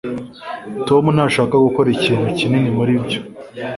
Tom ntashaka gukora ikintu kinini muri byo.